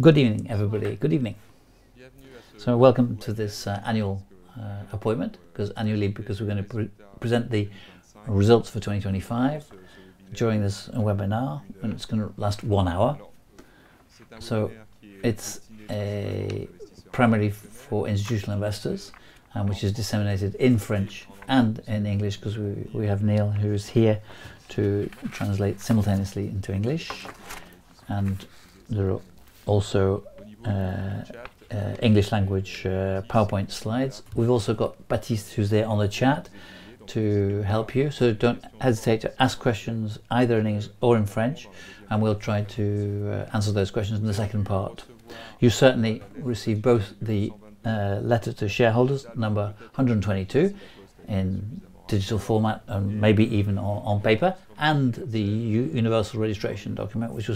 Good evening, everybody. Good evening. Welcome to this annual appointment, because we're gonna pre-present the results for 2025 during this webinar, and it's gonna last one hour. It's primarily for institutional investors, and which is disseminated in French and in English because we have Neil, who is here to translate simultaneously into English. There are also English language PowerPoint slides. We've also got Baptiste who's there on the chat to help you. Don't hesitate to ask questions either in English or in French, and we'll try to answer those questions in the second part. You certainly receive both the letter to shareholders, number 122 in digital format and maybe even on paper, and the universal registration document which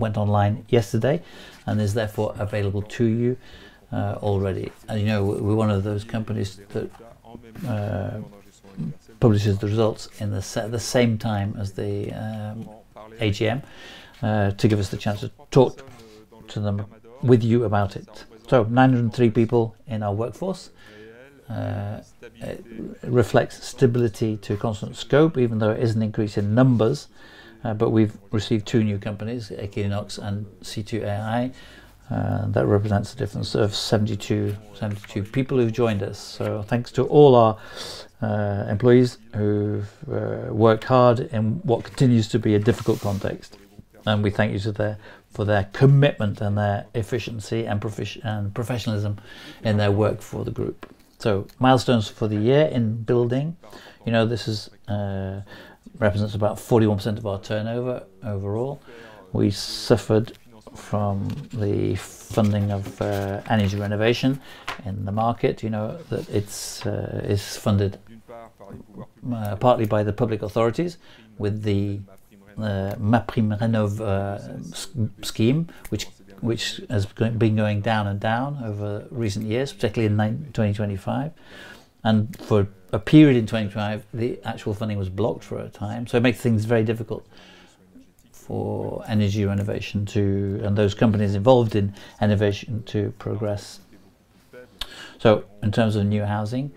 went online yesterday and is therefore available to you already. You know, we're one of those companies that publishes the results in the same time as the AGM to give us the chance to talk to them with you about it. Nine hundred and three people in our workforce reflects stability to a constant scope even though there is an increase in numbers. We've received two new companies, QUILINOX and C2AI, that represents a difference of 72 people who've joined us. Thanks to all our employees who've worked hard in what continues to be a difficult context. We thank you to their, for their commitment and their efficiency and professionalism in their work for the group. Milestones for the year in building. You know, this is represents about 41% of our turnover overall. We suffered from the funding of energy renovation in the market. You know, that it's funded partly by the public authorities with the MaPrimeRénov' scheme, which has been going down over recent years, particularly in nine... 2025. For a period in 2025, the actual funding was blocked for a time. It makes things very difficult for energy renovation and those companies involved in renovation to progress. In terms of new housing,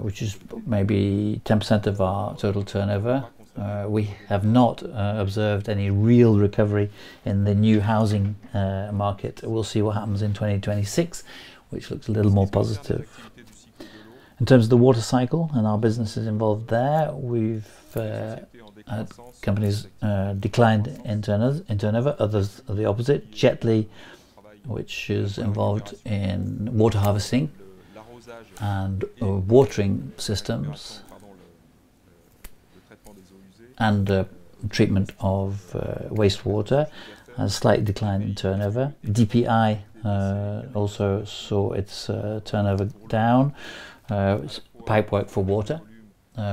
which is maybe 10% of our total turnover, we have not observed any real recovery in the new housing market. We'll see what happens in 2026, which looks a little more positive. In terms of the water cycle and our businesses involved there, we've companies declined in turnover. Others are the opposite. Jetly, which is involved in water harvesting and watering systems and the treatment of wastewater, a slight decline in turnover. DPI also saw its turnover down, its pipework for water,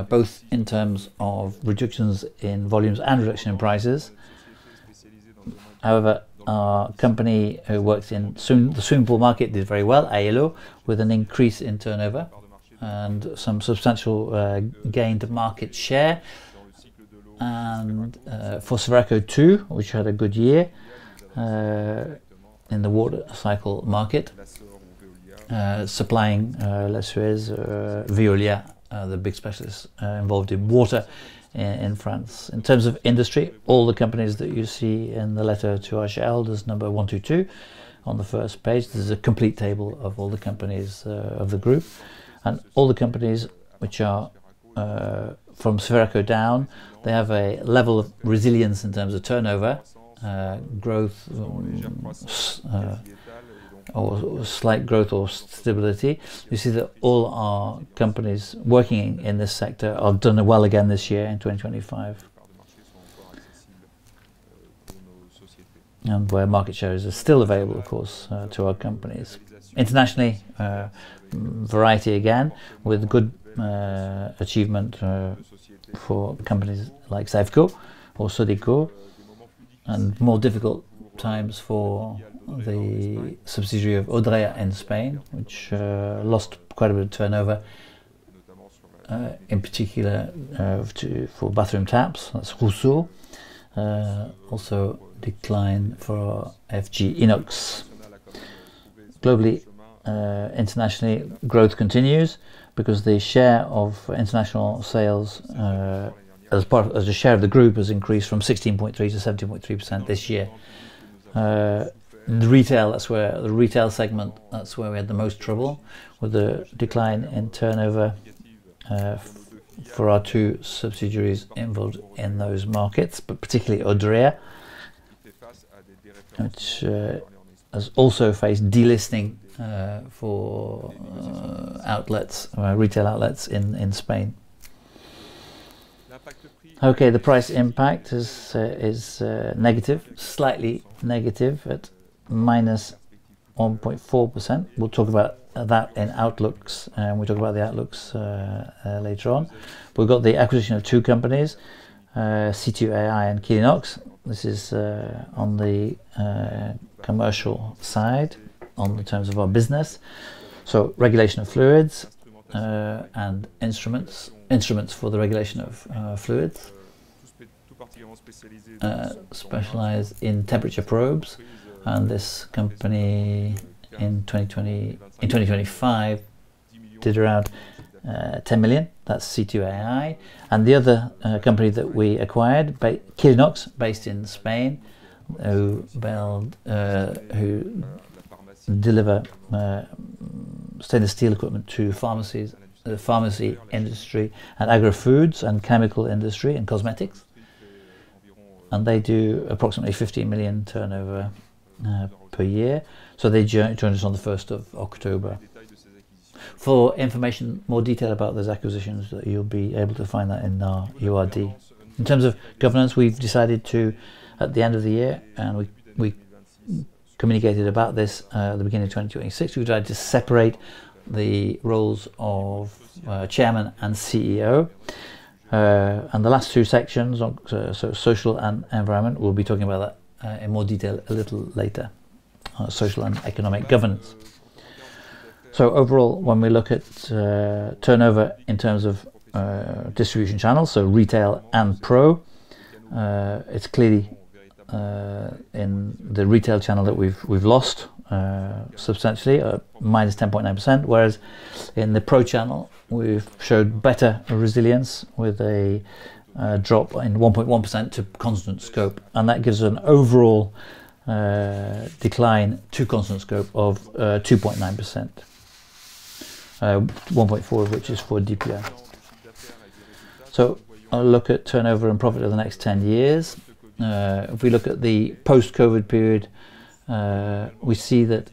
both in terms of reductions in volumes and reduction in prices. However, our company who works in the swimming pool market did very well, Aello, with an increase in turnover and some substantial gain to market share. For Sodeco too, which had a good year in the water cycle market, supplying Suez or Veolia, the big specialists involved in water in France. In terms of industry, all the companies that you see in the letter to our shareholders, number 122, on the first page, this is a complete table of all the companies of the group. All the companies which are from Sodeco down, they have a level of resilience in terms of turnover, growth or slight growth or stability. You see that all our companies working in this sector have done it well again this year in 2025. Where market shares are still available, of course, to our companies. Internationally, variety again, with good achievement for companies like Syveco or Sodeco, and more difficult times for the subsidiary of Odrea in Spain, which lost quite a bit of turnover, in particular for bathroom taps, that's Rousseau. Also decline for FG INOX. Globally, internationally, growth continues because the share of international sales as a share of the group has increased from 16.3% to 17.3% this year. The retail segment, that's where we had the most trouble with the decline in turnover for our two subsidiaries involved in those markets, but particularly Odrea, which has also faced delisting for outlets or retail outlets in Spain. Okay. The price impact is negative, slightly negative at -1.4%. We'll talk about that in outlooks, we'll talk about the outlooks later on. We've got the acquisition of two companies, C2AI and QUILINOX. This is on the commercial side on the terms of our business. So regulation of fluids, and instruments for the regulation of fluids. Specialized in temperature probes and this company in 2025 did around 10 million. That's C2AI. The other company that we acquired, QUILINOX, based in Spain, who build, who deliver, stainless steel equipment to pharmacies, pharmacy industry and agrifoods, and chemical industry and cosmetics. They do approximately 15 million turnover per year. They joined us on the 1st of October. For information, more detail about those acquisitions, you'll be able to find that in our URD. In terms of governance, we've decided to, at the end of the year, and we communicated about this, at the beginning of 2026, we decided to separate the roles of chairman and CEO. The last two sections on social and environment, we'll be talking about that in more detail a little later on social and economic governance. Overall, when we look at turnover in terms of distribution channels, so retail and pro, it's clearly in the retail channel that we've lost substantially, -10.9%, whereas in the pro channel we've showed better resilience with a drop in 1.1% to constant scope. That gives an overall decline to constant scope of 2.9%, 1.4% of which is for DPI. I'll look at turnover and profit over the next 10 years. If we look at the post-COVID period, we see that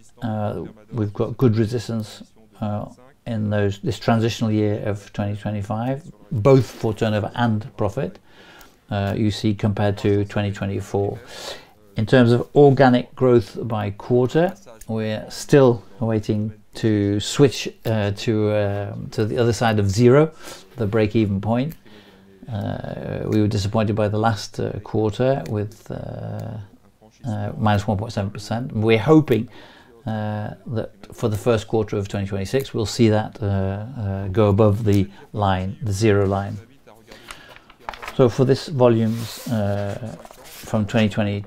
we've got good resistance in this transitional year of 2025, both for turnover and profit, you see, compared to 2024. In terms of organic growth by quarter, we're still waiting to switch to the other side of zero, the break-even point. We were disappointed by the last quarter with -1.7%. We're hoping that for the first quarter of 2026, we'll see that go above the line, the zero line. For this volumes from 2021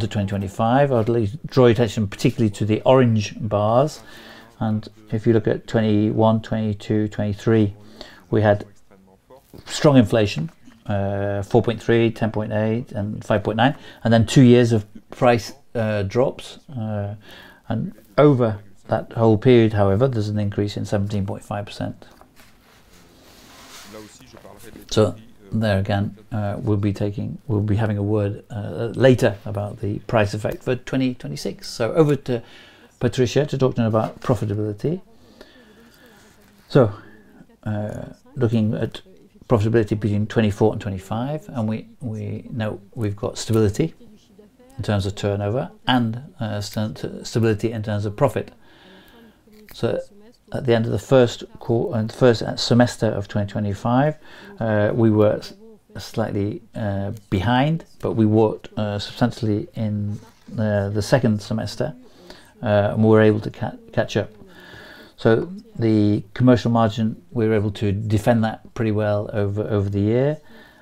to 2025, I'll at least draw your attention particularly to the orange bars. If you look at 2021, 2022, 2023, we had strong inflation, 4.3%, 10.8%, and 5.9%, and then two years of price drops. Over that whole period, however, there's an increase in 17.5%. There again, we'll be taking... We'll be having a word, later about the price effect for 2026. Over to Patricia to talk to you about profitability. Looking at profitability between 2024 and 2025, and we know we've got stability in terms of turnover and stability in terms of profit. At the end of the first semester of 2025, we were slightly behind, but we worked substantially in the second semester, and we were able to catch up. The commercial margin, we were able to defend that pretty well over the year,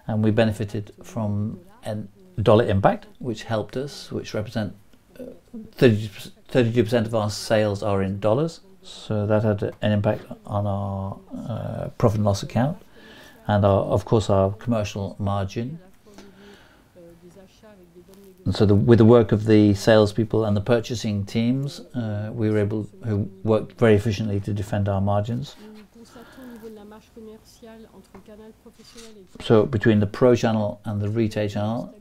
and we benefited from an dollar impact, which helped us, which represent, 30%, 32% of our sales are in dollars. That had an impact on our profit and loss account and our, of course, our commercial margin. With the work of the salespeople and the purchasing teams, who worked very efficiently to defend our margins. Between the pro channel and the retail channel,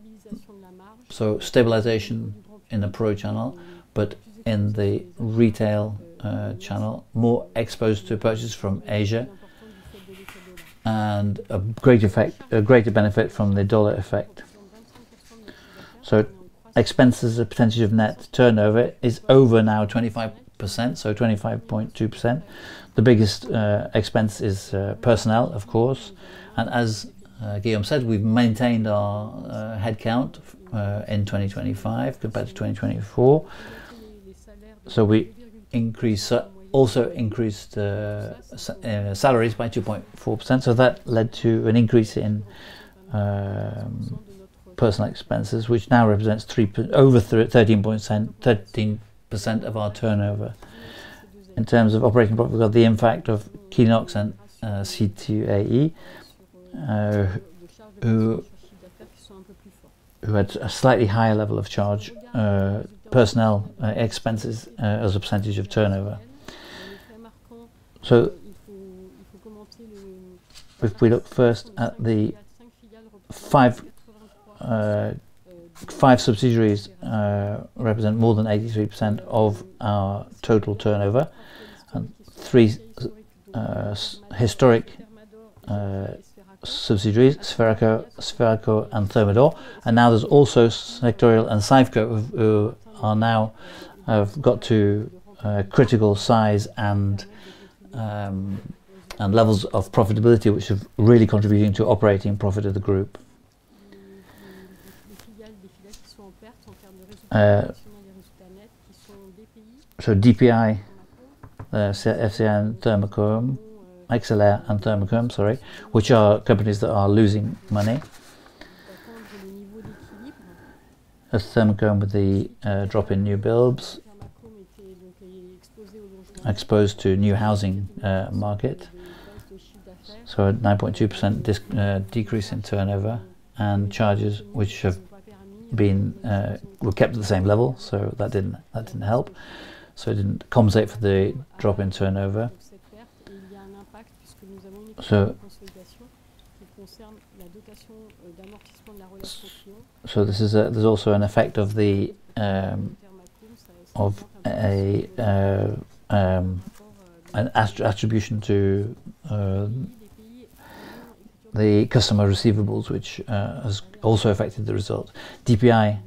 stabilization in the pro channel, but in the retail channel, more exposed to purchases from Asia and a greater benefit from the dollar effect. Expenses as a percentage of net turnover is over now 25%, so 25.2%. The biggest expense is personnel, of course. As Guillaume said, we've maintained our headcount in 2025 compared to 2024. We increased also increased salaries by 2.4%, so that led to an increase in personal expenses, which now represents over 13% of our turnover. In terms of operating profit, we've got the impact of QUILINOX and C2AI, who had a slightly higher level of charge, personnel expenses, as a percentage of turnover. If we look first at the five subsidiaries represent more than 83% of our total turnover, and three historic subsidiaries, Sferaco and Thermador. Now there's also Sectoriel and Syveco, who are now, have got to a critical size and levels of profitability, which are really contributing to operating profit of the group. DPI, Thermacome, Axelair and Thermacome, sorry, which are companies that are losing money. As Thermacome with the drop in new builds. Exposed to new housing market. At 9.2% decrease in turnover and charges which have been. Were kept at the same level, that didn't, that didn't help. It didn't compensate for the drop in turnover. This is a-- there's also an effect of the of an attribution to the customer receivables which has also affected the result. DPI,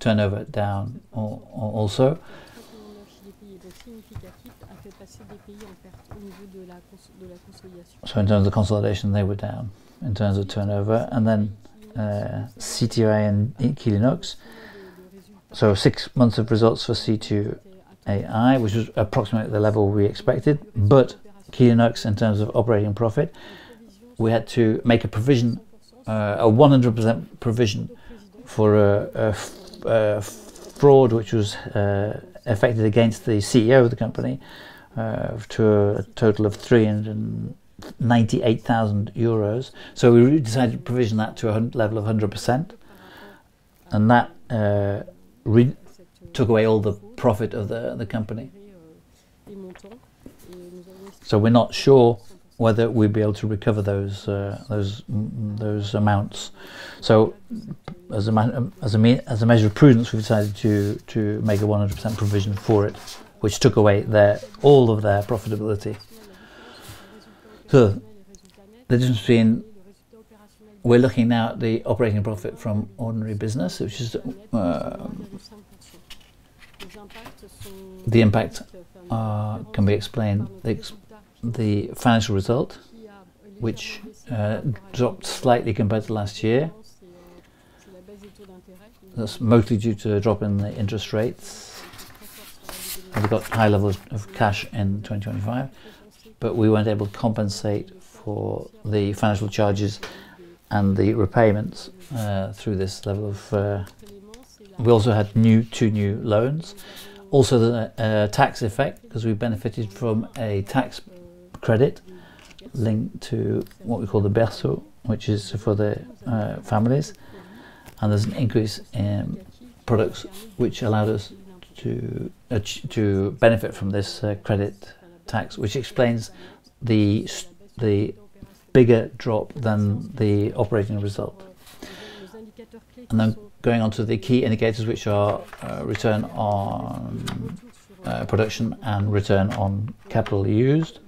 turnover down also. In terms of consolidation, they were down in terms of turnover. Then C2AI and QUILINOX. Six months of results for C2AI, which was approximately the level we expected. QUILINOX, in terms of operating profit, we had to make a provision, a 100% provision for a fraud which was effected against the CEO of the company, to a total of 398,000 euros. We decided to provision that to a level of 100%. That took away all the profit of the company. We're not sure whether we'll be able to recover those amounts. As a measure of prudence, we've decided to make a 100% provision for it, which took away all of their profitability. The difference between, we're looking now at the operating profit from ordinary business, which is the impact can be explained the financial result, which dropped slightly compared to last year. That's mostly due to a drop in the interest rates. We got high levels of cash in 2025, but we weren't able to compensate for the financial charges and the repayments through this level of, we also had two new loans. The tax effect, 'cause we benefited from a tax credit linked to what we call the BERSO, which is for the families. There's an increase in products which allowed us to benefit from this credit tax, which explains the bigger drop than the operating result. Going on to the key indicators, which are return on production and return on capital used.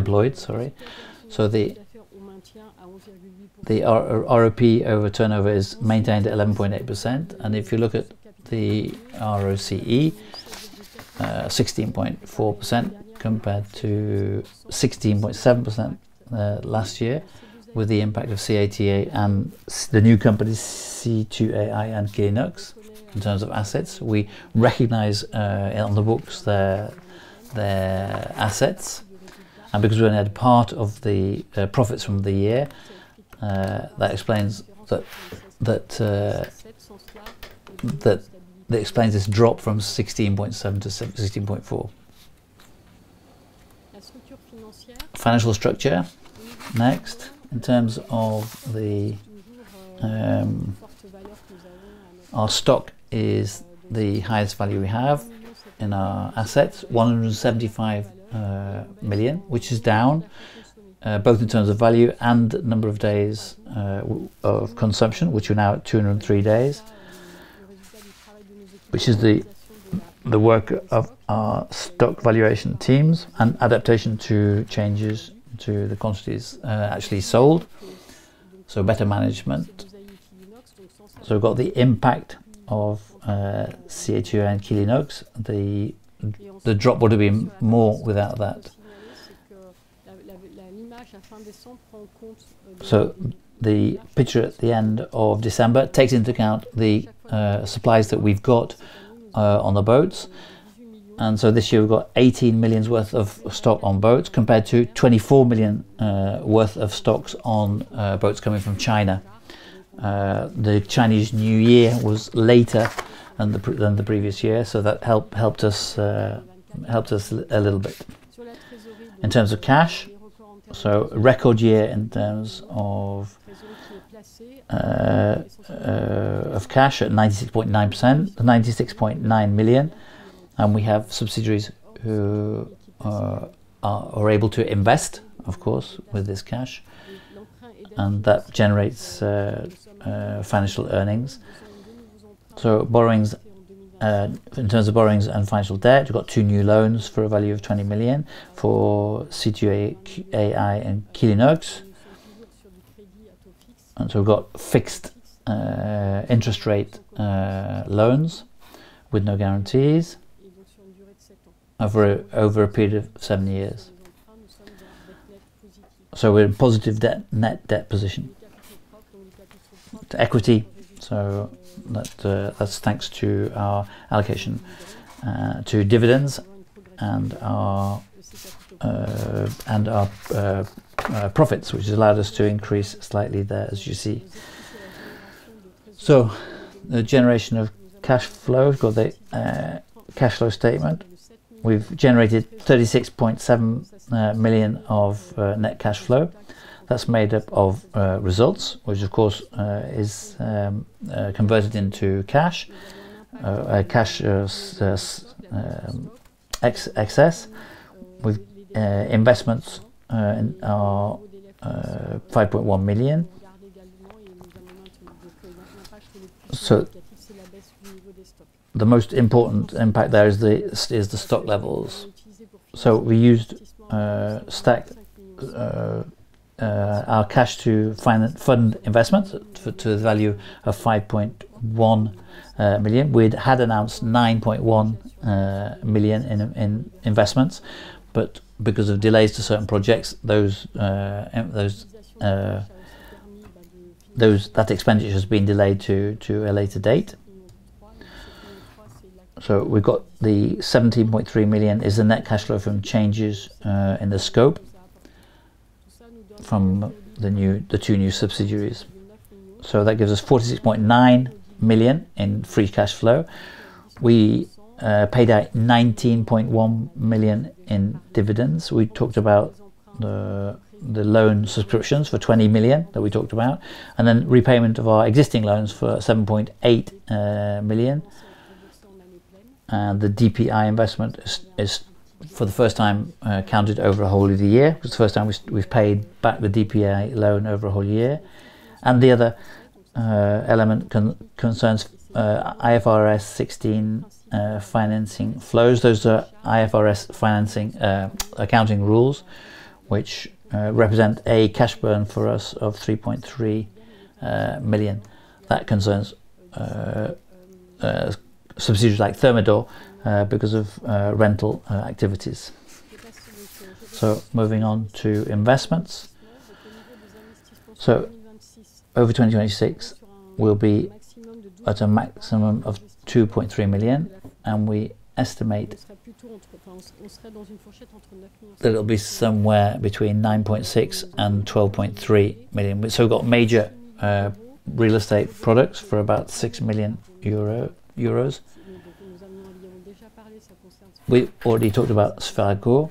Employed, sorry. The ROP over turnover is maintained at 11.8%. If you look at the ROCE, 16.4% compared to 16.7% last year, with the impact of CETA and the new companies C2AI and QUILINOX. In terms of assets, we recognize on the books their assets. Because we only had part of the profits from the year, that explains this drop from 16.7 to 16.4. Financial structure, next. In terms of the, our stock is the highest value we have in our assets, 175 million, which is down both in terms of value and number of days of consumption, which are now at 203 days, which is the work of our stock valuation teams and adaptation to changes to the quantities actually sold. Better management. We've got the impact of C2AI and QUILINOX. The drop would've been more without that. The picture at the end of December takes into account the supplies that we've got on the boats. This year we've got 18 million worth of stock on boats compared to 24 million worth of stocks on boats coming from China. The Chinese New Year was later than the previous year, so that helped us a little bit. In terms of cash, a record year in terms of cash at 96.9%, 96.9 million. We have subsidiaries who are able to invest, of course, with this cash, and that generates financial earnings. Borrowings, in terms of borrowings and financial debt, we've got two new loans for a value of 20 million for C2AI and QUILINOX. we've got fixed interest rate loans with no guarantees over a period of seven years. We're in positive debt, net debt position to equity, that's thanks to our allocation to dividends and our profits, which has allowed us to increase slightly there, as you see. The generation of cash flow, we've got the cash flow statement. We've generated 36.7 million of net cash flow. That's made up of results, which of course is converted into cash excess with investments in our EUR 5.1 million. The most important impact there is the stock levels. We used stacked our cash to fund investments to the value of 5.1 million. We had announced 9.1 million in investments, but because of delays to certain projects, that expenditure has been delayed to a later date. We've got 17.3 million is the net cash flow from changes in the scope from the two new subsidiaries. That gives us 46.9 million in free cash flow. We paid out 19.1 million in dividends. We talked about the loan subscriptions for 20 million that we talked about and then repayment of our existing loans for 7.8 million. The DPI investment is for the first time counted over a whole of the year. It's the first time we've paid back the DPI loan over a whole year. The other element concerns IFRS 16 financing flows. Those are IFRS financing accounting rules, which represent a cash burn for us of 3.3 million. That concerns subsidiaries like Thermador because of rental activities. Moving on to investments. Over 2026, we'll be at a maximum of 2.3 million, and we estimate that it'll be somewhere between 9.6 million and 12.3 million. We've got major real estate products for about 6 million euro. We've already talked about Sferaco,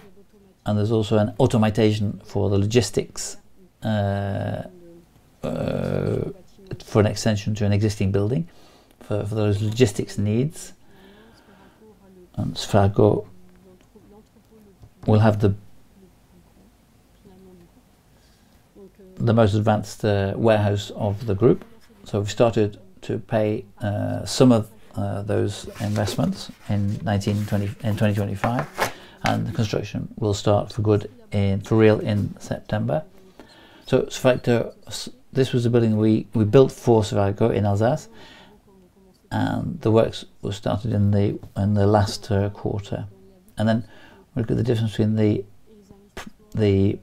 and there's also an automatization for the logistics for an extension to an existing building for those logistics needs. Sferaco will have the most advanced warehouse of the group. We've started to pay some of those investments in 2025, and the construction will start for good in, for real in September. This was the building we built for Sferaco in Alsace, and the works were started in the last quarter. Look at the difference between the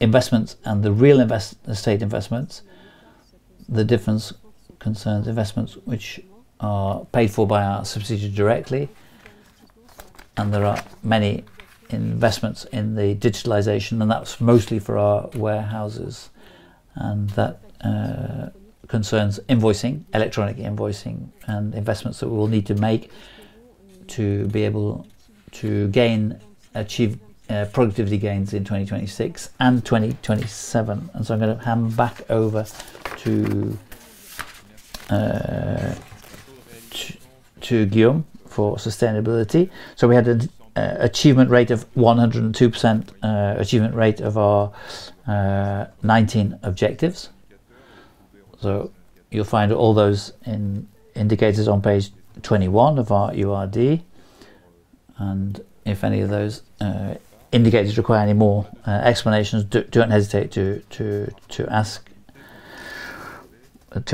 investments and the real estate investments. The difference concerns investments which are paid for by our subsidiary directly, and there are many investments in the digitalization, and that's mostly for our warehouses and that concerns invoicing, electronic invoicing, and investments that we will need to make to be able to gain, achieve productivity gains in 2026 and 2027. I'm gonna hand back over to Guillaume for sustainability. We had a achievement rate of 102%, achievement rate of our 19 objectives. You'll find all those in indicators on page 21 of our URD. If any of those indicators require any more explanations, don't hesitate to ask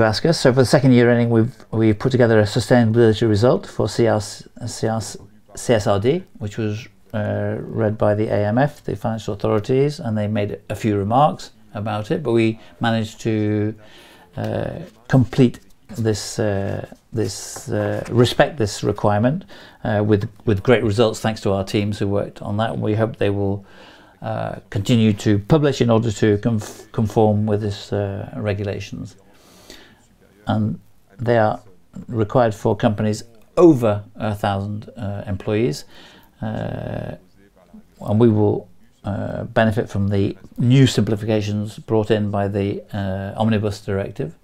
us. For the second year ending, we put together a sustainability result for CSRD, which was read by the AMF, the financial authorities, and they made a few remarks about it. We managed to complete this, respect this requirement with great results thanks to our teams who worked on that. We hope they will continue to publish in order to conform with this regulations. They are required for companies over 1,000 employees. We will benefit from the new simplifications brought in by the Omnibus directive.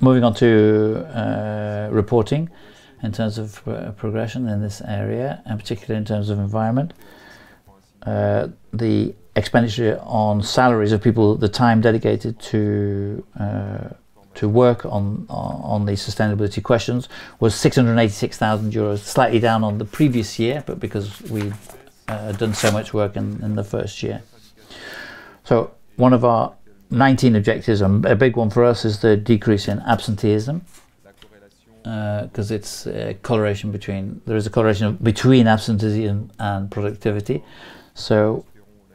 Moving on to reporting in terms of progression in this area, and particularly in terms of environment. The expenditure on salaries of people, the time dedicated to work on the sustainability questions was 686,000 euros, slightly down on the previous year, but because we've done so much work in the first year. One of our 19 objectives, a big one for us is the decrease in absenteeism. There is a correlation between absenteeism and productivity.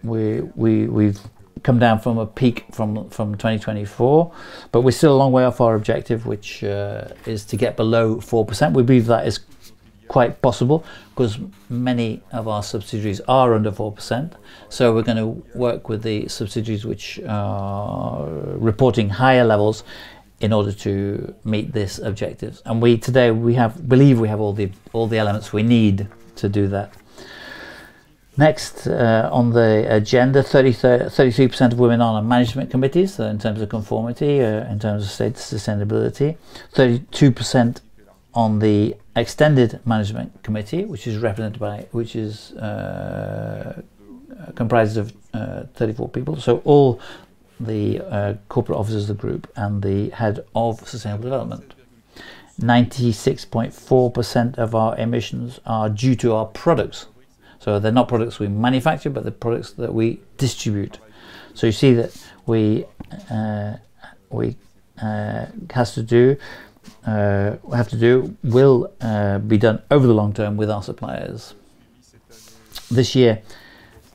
We've come down from a peak from 2024, but we're still a long way off our objective, which is to get below 4%. We believe that is quite possible 'cause many of our subsidiaries are under 4%, so we're gonna work with the subsidiaries which are reporting higher levels in order to meet this objectives. We, today, we believe we have all the, all the elements we need to do that. Next, on the agenda, 33% of women are on management committees, in terms of conformity, in terms of state sustainability. 32% on the extended management committee, which is represented by which is, comprises of, 34 people, so all the corporate officers of the group and the head of sustainable development. 96.4% of our emissions are due to our products. They're not products we manufacture, but the products that we distribute. You see that we have to do will be done over the long term with our suppliers. This year,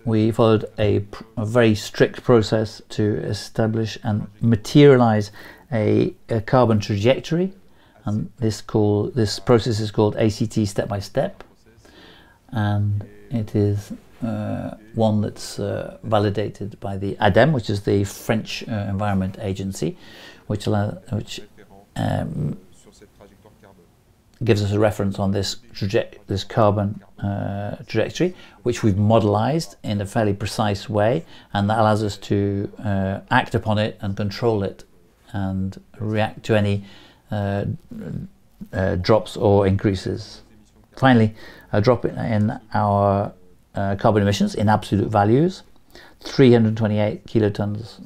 we followed a very strict process to establish and materialize a carbon trajectory, this process is called ACT Step by Step. It is one that's validated by the ADEME, which is the French environment agency, which gives us a reference on this carbon trajectory, which we've modelized in a fairly precise way, that allows us to act upon it and control it and react to any drops or increases. Finally, a drop in our carbon emissions in absolute values, 328 kilotons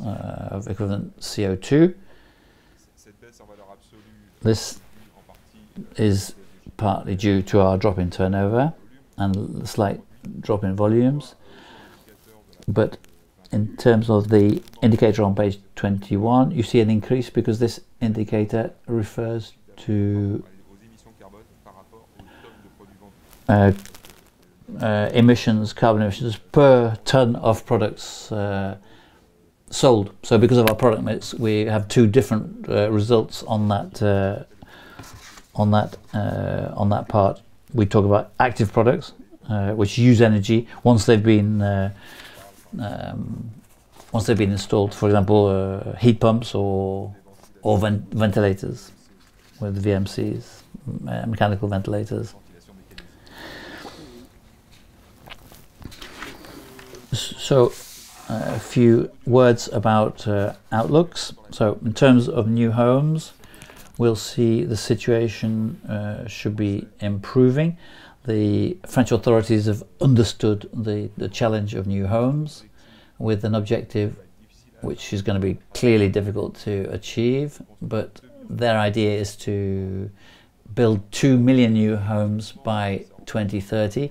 of equivalent CO2. This is partly due to our drop in turnover and slight drop in volumes. In terms of the indicator on page 21, you see an increase because this indicator refers to emissions, carbon emissions per ton of products sold. Because of our product mix, we have two different results on that part. We talk about active products which use energy once they've been installed, for example, heat pumps or ventilators with VMCs, mechanical ventilators. A few words about outlooks. In terms of new homes, we'll see the situation should be improving. The French authorities have understood the challenge of new homes with an objective which is gonna be clearly difficult to achieve. Their idea is to build 2 million new homes by 2030,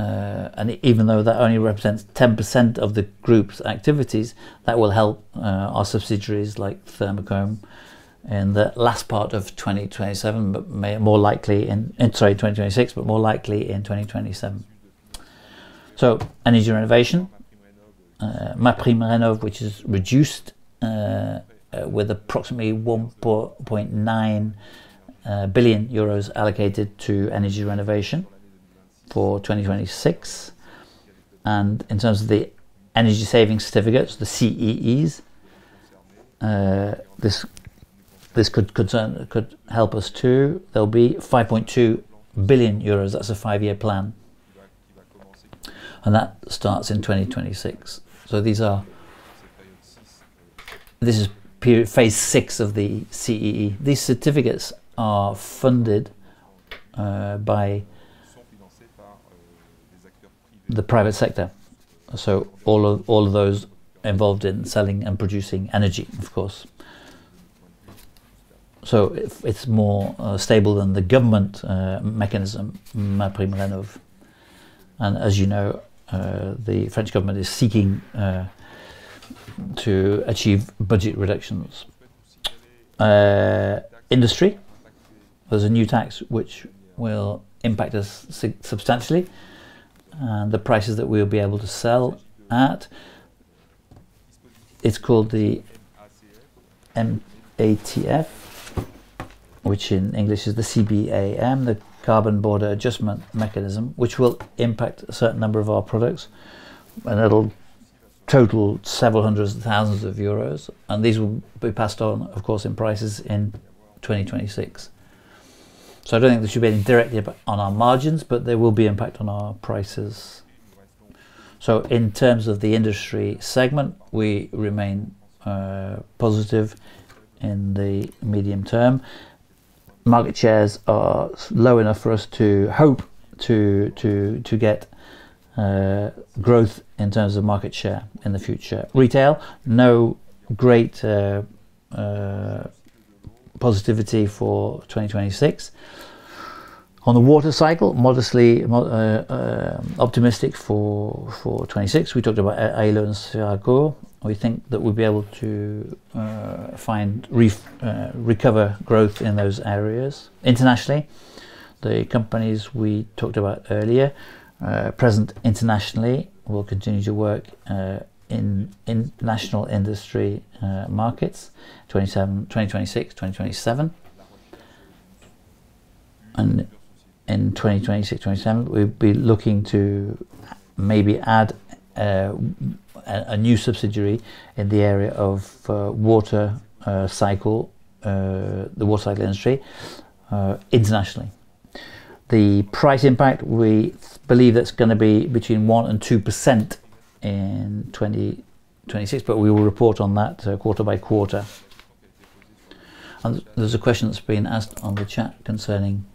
and even though that only represents 10% of the group's activities, that will help our subsidiaries like Thermacome in the last part of 2027, but may more likely in, sorry, 2026, but more likely in 2027. Energy renovation, MaPrimeRénov', which is reduced, with approximately 1.9 billion euros allocated to energy renovation for 2026. In terms of the energy saving certificates, the CEEs, this could help us too. There'll be 5.2 billion euros. That's a five-year plan. That starts in 2026. These are... This is period phase VI of the CEE. These certificates are funded by the private sector, all of those involved in selling and producing energy, of course. It's more stable than the government mechanism, MaPrimeRénov'. As you know, the French government is seeking to achieve budget reductions. Industry, there's a new tax which will impact us substantially, and the prices that we'll be able to sell at. It's called the MATF, which in English is the CBAM, the Carbon Border Adjustment Mechanism, which will impact a certain number of our products, and it'll total several hundreds of thousands of EUR, and these will be passed on, of course, in prices in 2026. I don't think there should be any directly on our margins, but there will be impact on our prices. In terms of the industry segment, we remain positive in the medium term. Market shares are low enough for us to hope to get growth in terms of market share in the future. Retail, no great positivity for 2026. On the water cycle, modestly optimistic for 2026. We talked about Aello and Sferaco. We think that we'll be able to find, recover growth in those areas. Internationally, the companies we talked about earlier, present internationally will continue to work in national industry markets, 2027, 2026, 2027. In 2026, 2027, we'll be looking to maybe add a new subsidiary in the area of water cycle, the water cycle industry, internationally. The price impact, we believe that's gonna be between 1% and 2% in 2026. We will report on that quarter by quarter. There's a question that's been asked on the chat concerning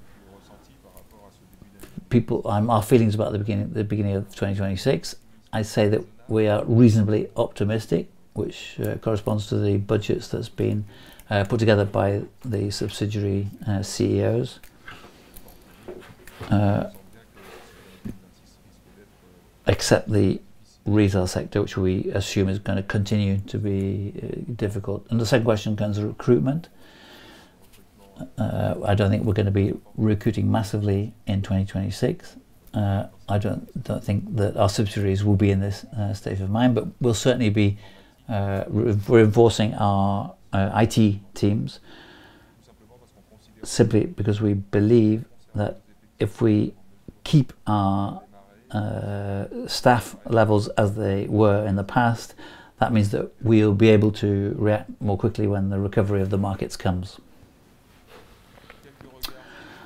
people, our feelings about the beginning of 2026. I say that we are reasonably optimistic, which corresponds to the budgets that's been put together by the subsidiary CEOs. Except the retail sector, which we assume is gonna continue to be difficult. The second question comes recruitment. I don't think we're gonna be recruiting massively in 2026. I don't think that our subsidiaries will be in this state of mind. We'll certainly be reinforcing our IT teams simply because we believe that if we keep our staff levels as they were in the past, that means that we'll be able to react more quickly when the recovery of the markets comes.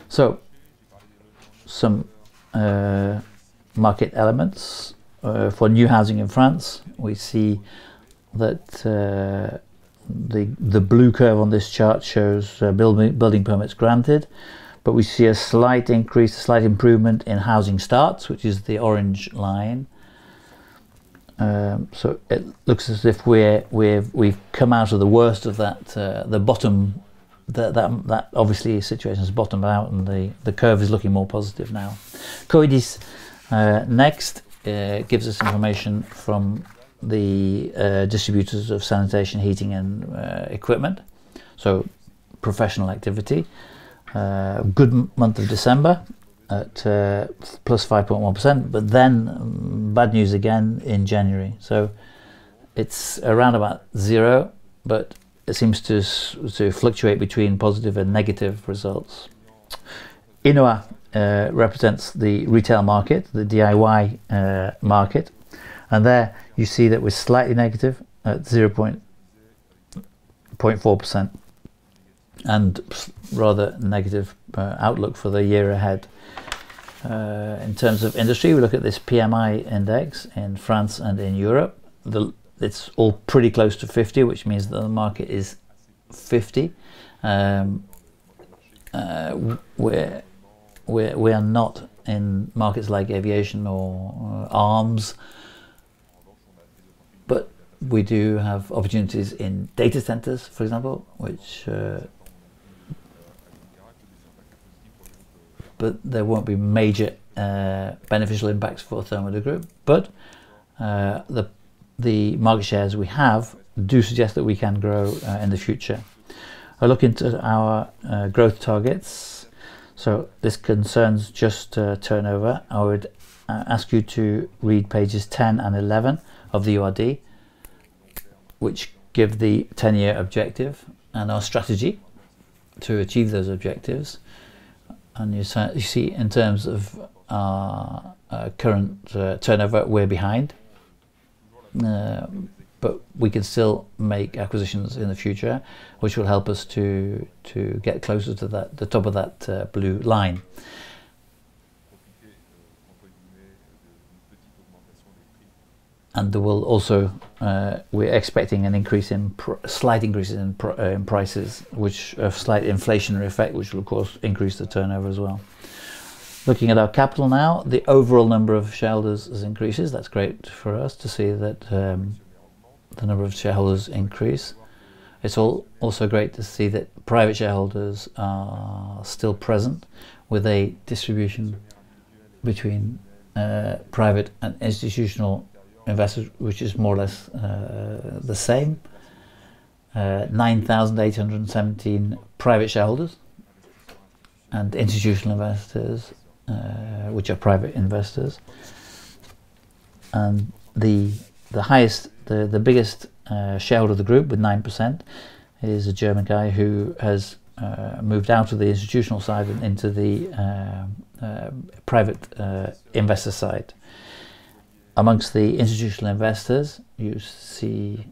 Some market elements for new housing in France. We see that the blue curve on this chart shows building permits granted, but we see a slight increase, a slight improvement in housing starts, which is the orange line. It looks as if we've come out of the worst of that, the bottom. That obviously situation has bottomed out, and the curve is looking more positive now. Coïdis next gives us information from the distributors of sanitation, heating and equipment, so professional activity. Good month of December at +5.1%, bad news again in January. It's around about 0, but it seems to fluctuate between positive and negative results. INOHA represents the retail market, the DIY market, and there you see that we're slightly negative at 0.4% and rather negative outlook for the year ahead. In terms of industry, we look at this PMI index in France and in Europe. It's all pretty close to 50, which means that the market is 50. We are not in markets like aviation or arms, but we do have opportunities in data centers, for example, which. There won't be major beneficial impacts for Thermador Groupe. The market shares we have do suggest that we can grow in the future. A look into our growth targets. This concerns just turnover. I would ask you to read pages 10 and 11 of the URD, which give the 10-year objective and our strategy to achieve those objectives. You see in terms of our current turnover, we're behind. We can still make acquisitions in the future, which will help us to get closer to the top of that blue line. There will also, we're expecting slight increases in prices which have slight inflationary effect, which will of course increase the turnover as well. Looking at our capital now, the overall number of shareholders has increases. That's great for us to see that the number of shareholders increase. It's also great to see that private shareholders are still present with a distribution between private and institutional investors, which is more or less the same. 9,817 private shareholders and institutional investors, which are private investors. The highest, the biggest shareholder of the group with 9% is a German guy who has moved out of the institutional side and into the private investor side. Amongst the institutional investors, you see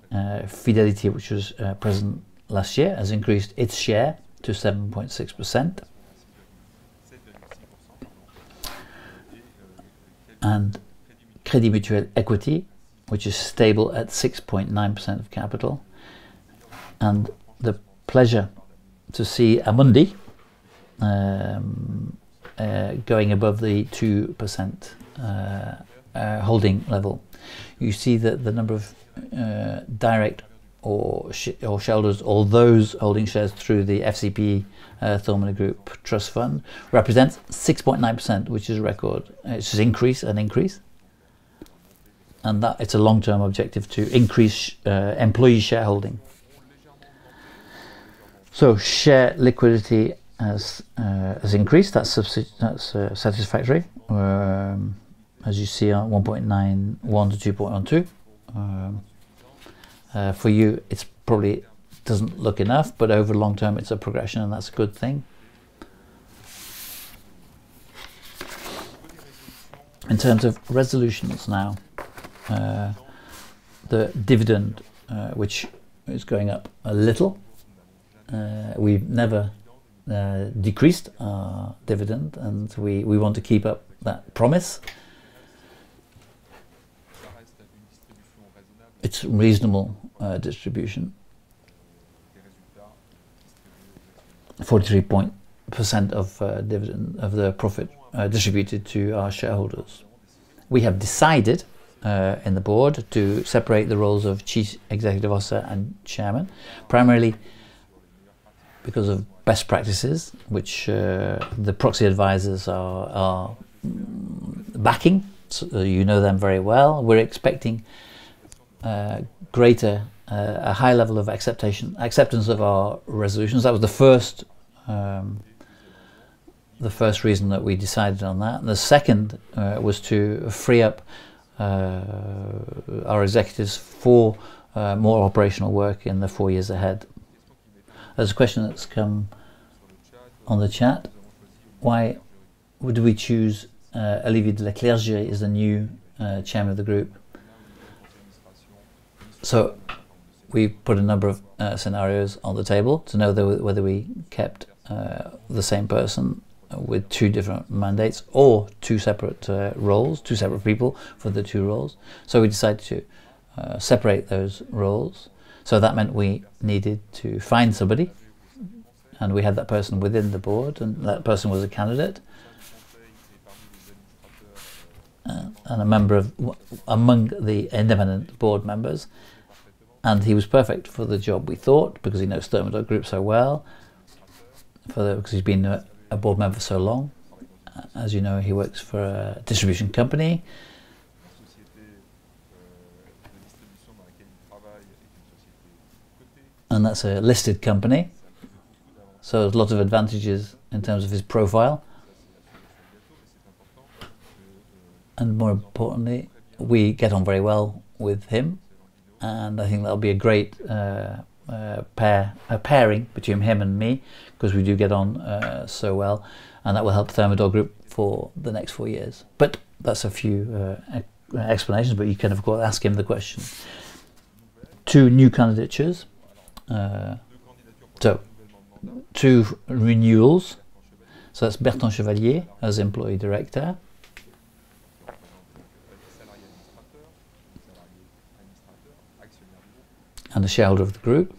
Fidelity, which was present last year, has increased its share to 7.6%. Crédit Mutuel Equity, which is stable at 6.9% of capital. The pleasure to see Amundi going above the 2% holding level. You see that the number of shareholders or those holding shares through the FCPE, Thermador Groupe Trust Fund represents 6.9%, which is a record. It's increase and increase, and that it's a long-term objective to increase employee shareholding. Share liquidity has increased. That's satisfactory. As you see on 1.91-2.12. For you, it's probably doesn't look enough, but over long term, it's a progression and that's a good thing. In terms of resolutions now, the dividend, which is going up a little, we've never decreased our dividend, and we want to keep up that promise. It's reasonable distribution. 43% of dividend of the profit distributed to our shareholders. We have decided in the board to separate the roles of Chief Executive Officer and Chairman, primarily because of best practices which the proxy advisors are backing. You know them very well. We're expecting greater a high level of acceptance of our resolutions. That was the first reason that we decided on that. The second was to free up our executives for more operational work in the four years ahead. There's a question that's come on the chat. Why would we choose Olivier de Leclerger as the new Chairman of the group? We put a number of scenarios on the table to know whether we kept the same person with two different mandates or two separate roles, two separate people for the two roles. We decided to separate those roles. That meant we needed to find somebody, and we had that person within the board, and that person was a candidate and a member among the independent board members, and he was perfect for the job, we thought, because he knows Thermador Groupe so well because he's been a board member for so long. As you know, he works for a distribution company. That's a listed company. There's lots of advantages in terms of his profile. More importantly, we get on very well with him, and I think that'll be a great pair, pairing between him and me because we do get on so well, and that will help Thermador Groupe for the next four years. That's a few explanations, but you can of course ask him the question. Two new candidacies. Two renewals. That's Bertrand Chevalier as employee director, and a shareholder of the group,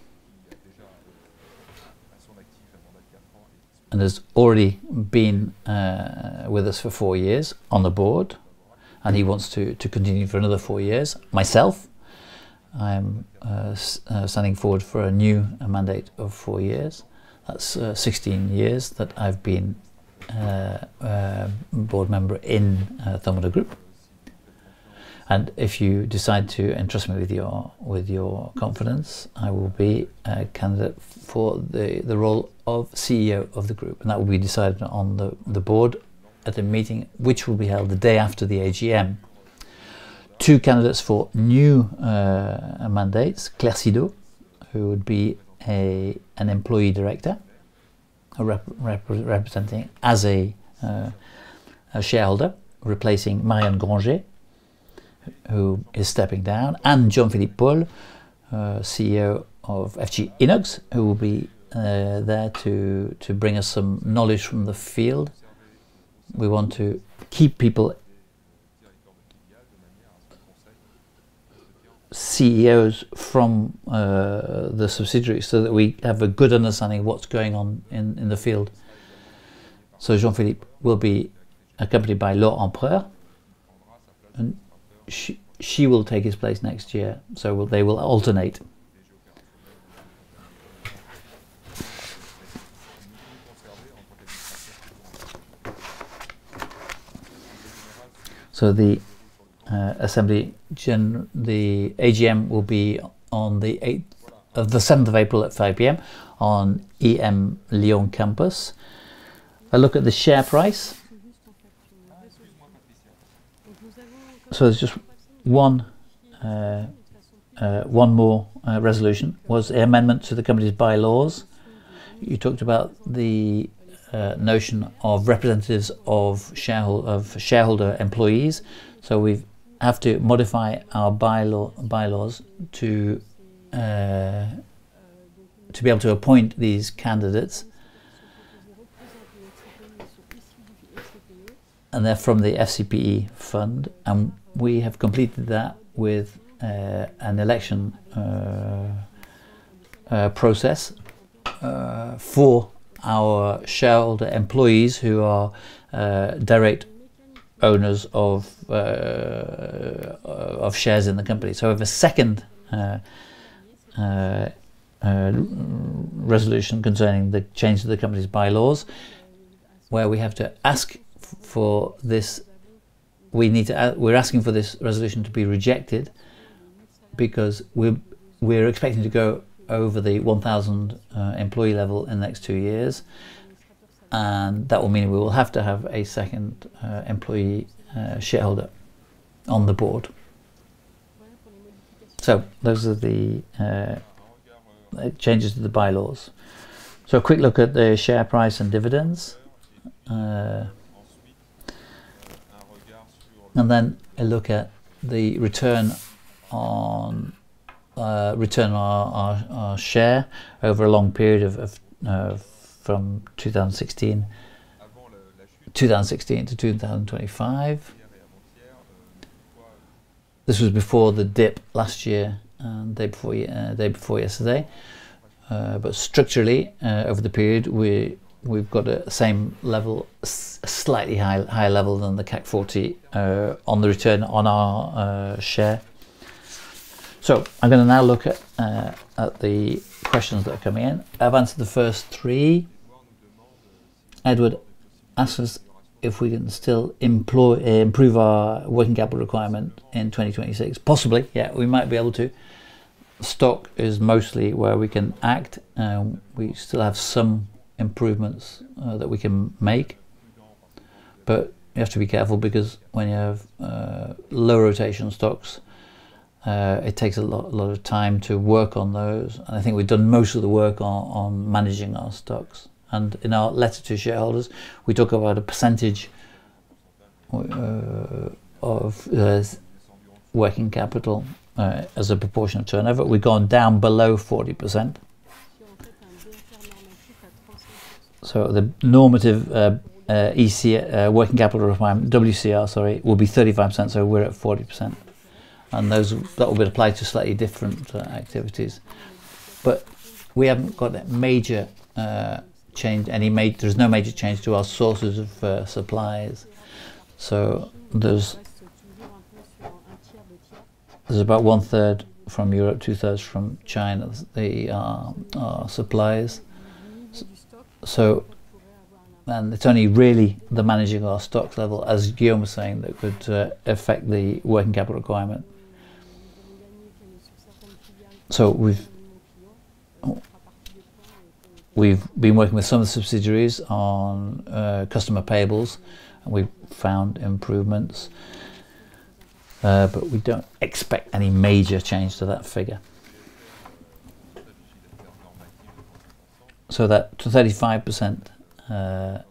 and has already been with us for four years on the board, and he wants to continue for another four years. Myself, I'm standing forward for a new mandate of four years. That's 16 years that I've been a board member in Thermador Groupe. If you decide to entrust me with your confidence, I will be a candidate for the role of CEO of the group. That will be decided on the board at a meeting which will be held the day after the AGM. Two candidates for new mandates, Claire Sido, who would be an employee director, representing as a shareholder, replacing Marion Granger, who is stepping down, and Jean-Philippe Paul, CEO of FG Inox, who will be there to bring us some knowledge from the field. We want to keep people, CEOs from the subsidiaries so that we have a good understanding of what's going on in the field. Jean-Philippe will be accompanied by Laure Empereur, and she will take his place next year. They will alternate. The AGM will be on the seventh of April at 5:00 P.M. on EM Lyon campus. A look at the share price. There's just one more resolution, was an amendment to the company's bylaws. You talked about the notion of representatives of shareholder employees. We have to modify our bylaws to be able to appoint these candidates. They're from the FCPE fund, and we have completed that with an election process for our shareholder employees who are direct owners of shares in the company. We have a second resolution concerning the change to the company's bylaws, where we have to ask for this. We need to we're asking for this resolution to be rejected because we're expecting to go over the 1,000 employee level in the next two years, and that will mean we will have to have a second employee shareholder on the board. Those are the changes to the bylaws. A quick look at the share price and dividends, and then a look at the return on our share over a long period from 2016 to 2025. This was before the dip last year, and day before yesterday. But structurally, over the period, we've got a same level, slightly higher level than the CAC 40 on the return on our share. I'm going to now look at the questions that are coming in. I've answered the first three. Edward asked us if we can still improve our working capital requirement in 2026. Possibly, yeah. We might be able to. Stock is mostly where we can act, and we still have some improvements that we can make You have to be careful because when you have low rotation stocks, it takes a lot of time to work on those. I think we've done most of the work on managing our stocks. In our letter to shareholders, we talk about a percentage of the working capital as a proportion of turnover. We've gone down below 40%. The normative EC working capital requirement, WCR, sorry, will be 35%, so we're at 40%. That will be applied to slightly different activities. We haven't got a major change, there's no major change to our sources of supplies. There's about one third from Europe, two thirds from China, the suppliers. It's only really the managing of our stock level, as Guillaume was saying, that could affect the working capital requirement. We've been working with some of the subsidiaries on customer payables, and we've found improvements, but we don't expect any major change to that figure. That to 35%, that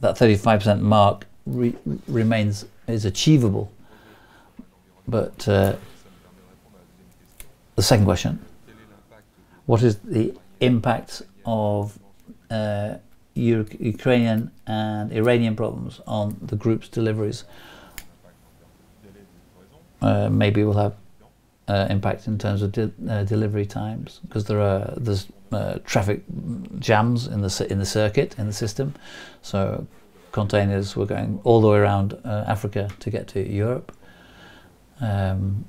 35% mark remains as achievable. The second question, what is the impact of Ukrainian and Iranian problems on the group's deliveries? Maybe we'll have impact in terms of delivery times 'cause there are... there's traffic jams in the circuit, in the system. Containers were going all the way around Africa to get to Europe, to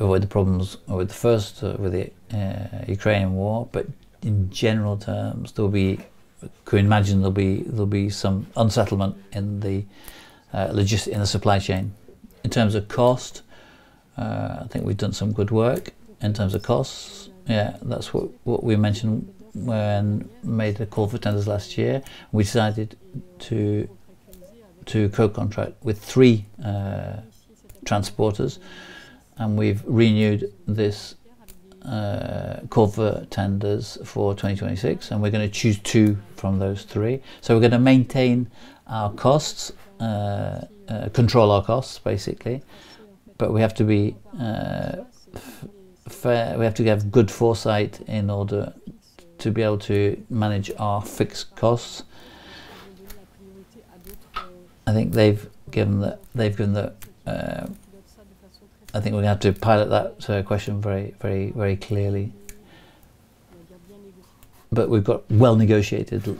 avoid the problems with the first, with the Ukrainian war. In general terms, there'll be... could imagine there'll be some unsettlement in the supply chain. In terms of cost, I think we've done some good work in terms of costs. Yeah, that's what we mentioned when made the call for tenders last year. We decided to co-contract with three transporters, and we've renewed this call for tenders for 2026, and we're gonna choose two from those three. We're gonna maintain our costs, control our costs, basically. We have to be fair, we have to have good foresight in order to be able to manage our fixed costs. I think they've given the, I think we're gonna have to pilot that question very clearly. We've got well negotiated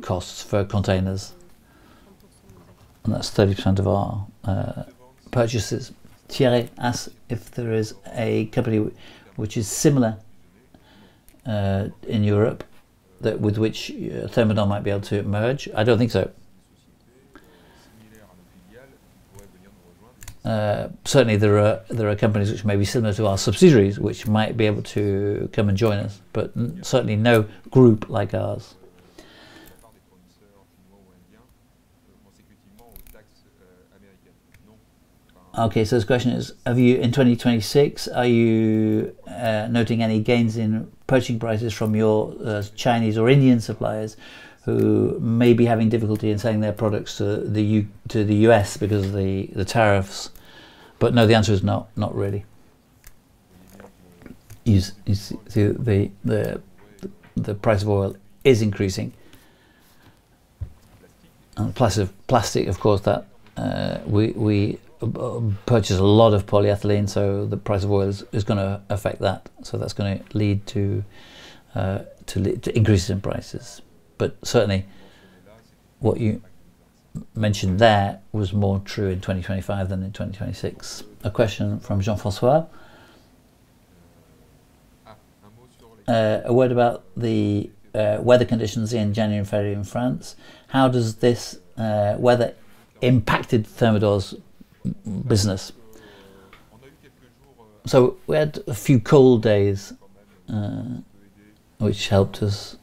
costs for containers, and that's 30% of our purchases. Thierry asked if there is a company which is similar in Europe that with which Thermador might be able to merge. I don't think so. Certainly there are companies which may be similar to our subsidiaries, which might be able to come and join us, but certainly no group like ours. His question is, in 2026, are you noting any gains in purchasing prices from your Chinese or Indian suppliers who may be having difficulty in selling their products to the U.S. because of the tariffs? No, the answer is no, not really. The price of oil is increasing. The plastic, of course, that we purchase a lot of polyethylene, the price of oil is gonna affect that. That's gonna lead to increases in prices. Certainly what you mentioned there was more true in 2025 than in 2026. A question from Jean-François. A word about the weather conditions in January and February in France. How does this weather impacted Thermador's business? We had a few cold days, which helped us.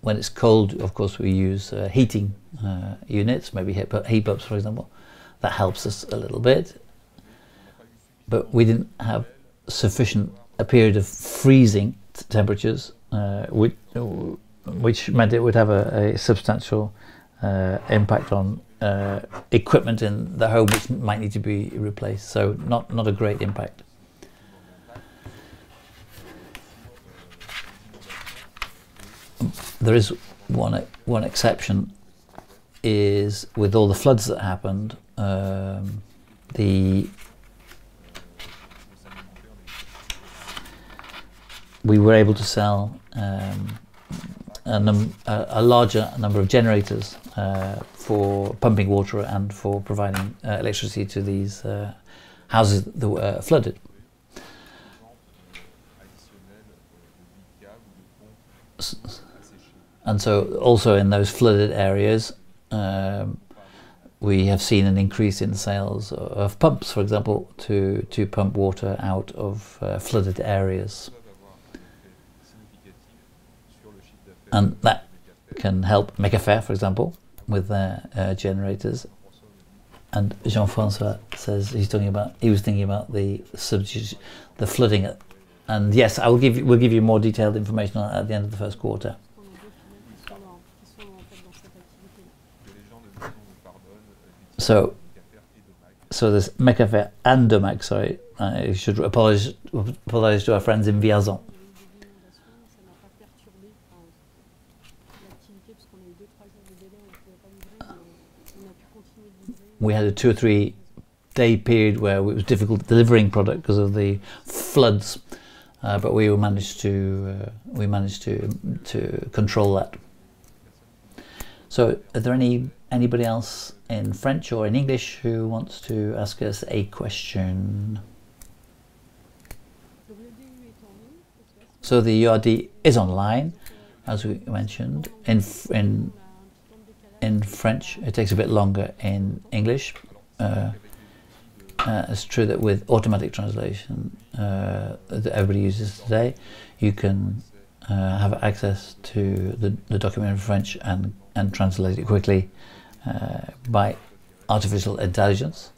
When it's cold, of course, we use heating units, maybe heat pumps, for example. That helps us a little bit. We didn't have sufficient a period of freezing temperatures, which meant it would have a substantial impact on equipment in the home which might need to be replaced. Not a great impact. There is one exception, is with all the floods that happened, the... We were able to sell, a larger number of generators for pumping water and for providing electricity to these houses that were flooded. Also in those flooded areas, we have seen an increase in sales of pumps, for example, to pump water out of flooded areas. That can help Mecafer, for example, with their generators. Jean-François says he's talking about he was thinking about the substitutes, the flooding. Yes, I will give you we'll give you more detailed information on at the end of the first quarter. This Mecafer and Domac, sorry. I should apologize to our friends in Vierzon. We had a two or three-day period where it was difficult delivering product 'cause of the floods. We managed to control that. Are there anybody else in French or in English who wants to ask us a question? The URD is online, as we mentioned, in French. It takes a bit longer in English. It's true that with automatic translation that everybody uses today, you can have access to the document in French and translate it quickly by artificial intelligence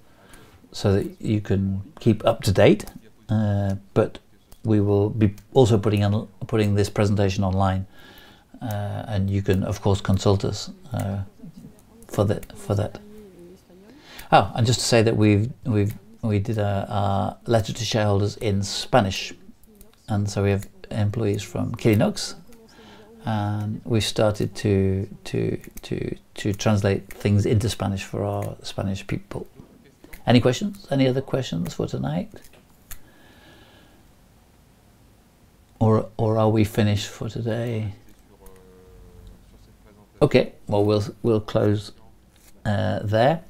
so that you can keep up to date. We will be also putting this presentation online, and you can, of course, consult us for that. Just to say that we did a letter to shareholders in Spanish, and so we have employees from QUILINOX. We started to translate things into Spanish for our Spanish people. Any questions? Any other questions for tonight? Are we finished for today? Okay. Well, we'll close there.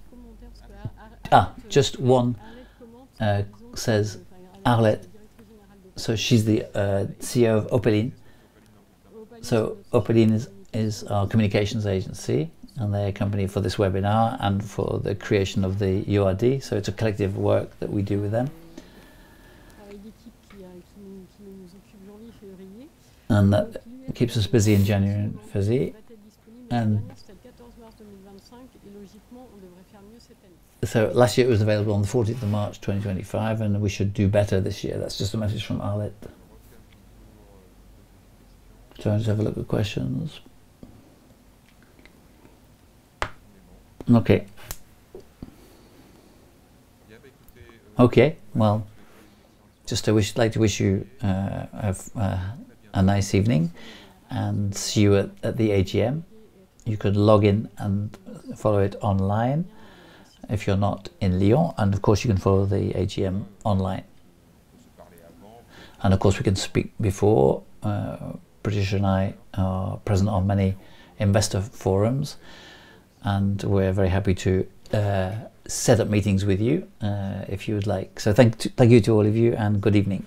Just one says Arlette. She's the CEO of Opaline. Opaline is our communications agency, and they accompany for this webinar and for the creation of the URD, so it's a collective work that we do with them. That keeps us busy in January and February. Last year it was available on March 14, 2025, and we should do better this year. That's just a message from Arlette. Sorry, I'll just have a look at questions. Okay. Well, just I like to wish you a nice evening and see you at the AGM. You could log in and follow it online if you're not in Lyon, and of course you can follow the AGM online. Of course, we can speak before. Brigitte and I are present on many investor forums, and we're very happy to set up meetings with you if you would like. Thank you to all of you and good evening.